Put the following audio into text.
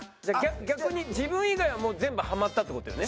逆に自分以外はもう全部はまったって事よね？